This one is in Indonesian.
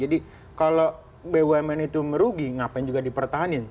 jadi kalau bumn itu merugi ngapain juga dipertahankan